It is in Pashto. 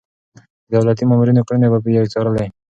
د دولتي مامورينو کړنې به يې څارلې.